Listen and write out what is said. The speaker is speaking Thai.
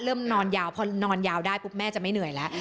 เริ่มนอนยาวพอนอนยาวได้ปุ๊บแม่จะไม่เหนื่อยแล้ว